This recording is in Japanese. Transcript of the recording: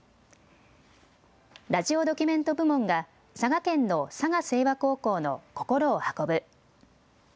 ラジオドキュメント部門が佐賀県の佐賀清和高校の心をはこぶ。